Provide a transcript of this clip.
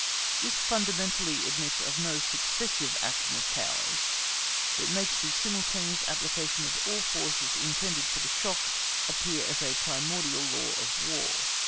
This fundamentally admits of no successive action of powers, but makes the simultaneous application of all forces intended for the shock appear as a primordial law of War.